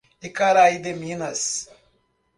Icaraí de Minas